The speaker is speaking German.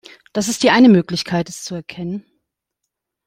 Das ist die eine Möglichkeit es zu erkennen.